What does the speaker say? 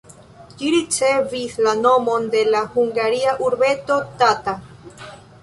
Ĝi ricevis la nomon de la hungaria urbeto Tata.